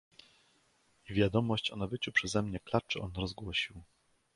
"I wiadomość o nabyciu przeze mnie klaczy on rozgłosił..."